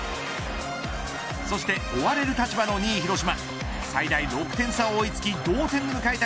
そして追われる立場の２位広島。